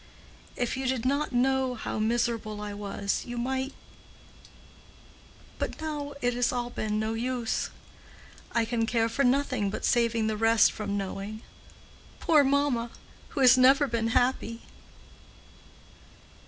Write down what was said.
If you did not know how miserable I was, you might—but now it has all been no use. I can care for nothing but saving the rest from knowing—poor mamma, who has never been happy."